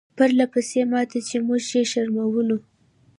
پرله پسې ماتې چې موږ یې شرمولو.